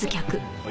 はい。